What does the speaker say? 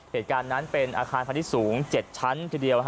เหตุการณ์นั้นเป็นอาคารพาณิชย์สูง๗ชั้นทีเดียว